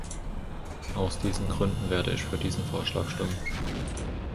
Aus diesen Gründen werde ich für diesen Vorschlag stimmen.